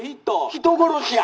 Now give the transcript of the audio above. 「人殺しや」。